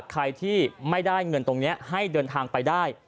ใครที่ไม่ได้เงินตรงนี้ให้เดินทางไปได้